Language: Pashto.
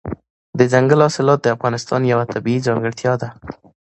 دځنګل حاصلات د افغانستان یوه طبیعي ځانګړتیا ده.